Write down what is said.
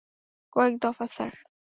কয়েক দফা, স্যার।